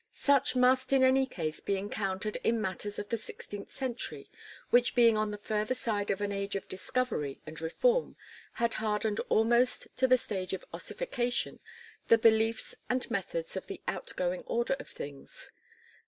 Such must in any case be encountered in matters of the sixteenth century which being on the further side of an age of discovery and reform had hardened almost to the stage of ossification the beliefs and methods of the outgoing order of things.